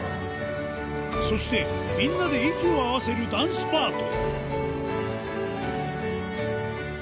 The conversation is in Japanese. そしてみんなで息を合わせるダンスパート